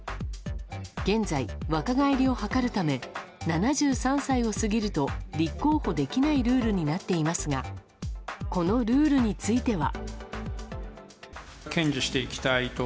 現在、若返りを図るため７３歳を過ぎると立候補できないルールになっていますがこのルールについては。